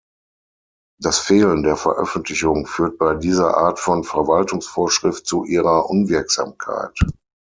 Das Fehlen der Veröffentlichung führt bei dieser Art von Verwaltungsvorschrift zu ihrer Unwirksamkeit.